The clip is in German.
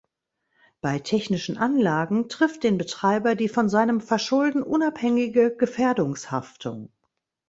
Bei technischen Anlagen trifft den Betreiber die von seinem Verschulden unabhängige Gefährdungshaftung.